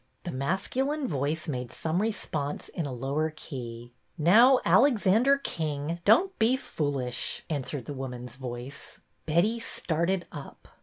The masculine voice made some response in a lower key. '' Now, Alexander King, don't be foolish," an swered the woman's voice. Betty started up.